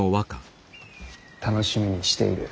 楽しみにしている。